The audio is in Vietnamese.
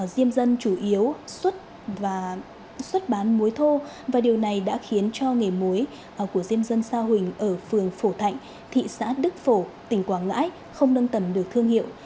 diêm dân chủ yếu xuất bán mối thô và điều này đã khiến cho nghề mối của diêm dân sa huỳnh ở phường phổ thạnh thị xã đức phổ tỉnh quảng ngãi không nâng tầm được thương hiệu